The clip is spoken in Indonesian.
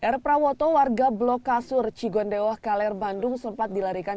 r prawoto warga blok kasur cigondewa kaler bandung sempat dilarikan